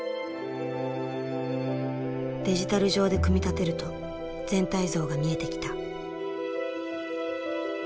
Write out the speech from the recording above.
デジタル上で組み立てると全体像が見えてきた。